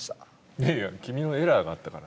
いやいや君のエラーがあったから。